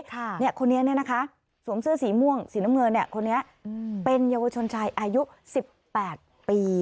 คนนี้เนี่ยนะคะสวมเสื้อสีม่วงสีน้ำเงินเนี่ยคนนี้เป็นเยาวชนชายอายุ๑๘ปี